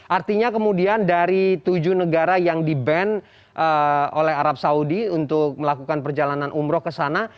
artinya kemudian dari tujuh negara yang di ban oleh arab saudi untuk melakukan perjalanan umroh ke sana